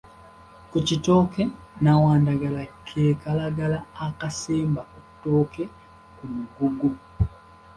Ku kitooke Nnawandagala ke kalagala akasemba ku ttooke ku mugogo.